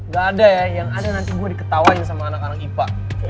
gak ada ya yang ada nanti gue diketawain sama anak anak ipa